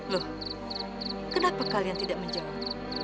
loh kenapa kalian tidak menjawab